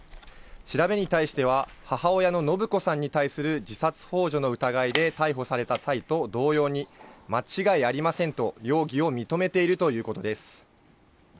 調べに対しては、母親の延子さんに対する自殺ほう助の疑いで逮捕された際と同様に、間違いありませんと、容疑を認めているということです。